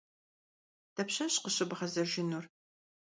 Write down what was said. Дапщэщ къыщыбгъэзэжынур?